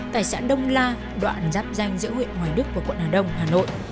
tại xã đông la đoạn giáp danh giữa huyện hoài đức và quận hà đông hà nội